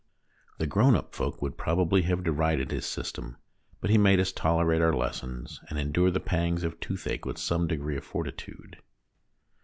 The grown up folk would probably have derided his system, but he made us tolerate our lessons, and endure the pangs of toothache with some degree of fortitude.